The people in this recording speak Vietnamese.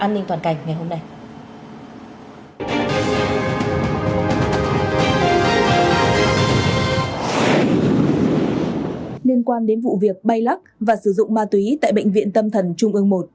liên quan đến vụ việc bay lắc và sử dụng ma túy tại bệnh viện tâm thần trung ương một